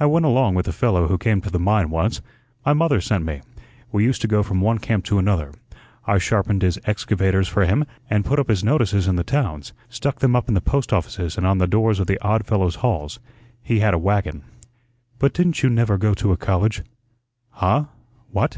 "I went along with a fellow who came to the mine once. My mother sent me. We used to go from one camp to another. I sharpened his excavators for him, and put up his notices in the towns stuck them up in the post offices and on the doors of the Odd Fellows' halls. He had a wagon." "But didn't you never go to a college?" "Huh? What?